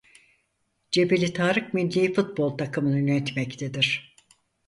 Cebelitarık millî futbol takımını yönetmektedir.